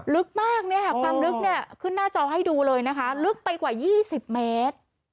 ลึกมากความลึกขึ้นหน้าจอให้ดูเลยนะคะลึกไปกว่า๒๐เมตร